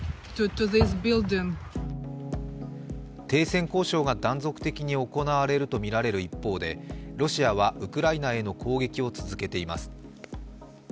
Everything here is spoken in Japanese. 停戦交渉が断続的に行われるとみられる一方で、ロシアはウクライナへの攻撃を続けています。